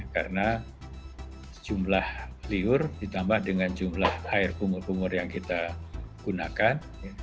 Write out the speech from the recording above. karena jumlah liur ditambah dengan jumlah air kumur kumur yang kita gunakan